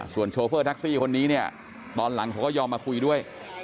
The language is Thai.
ส่วนโชเฟอร์แท็กซี่คนนี้เนี่ยตอนหลังเขาก็ยอมมาคุยด้วย